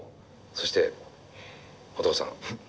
そしてお父さん。